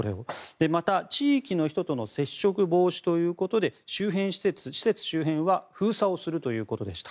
また、地域の人との接触防止ということで施設周辺は封鎖をするということでした。